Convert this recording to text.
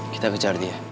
kita kejar dia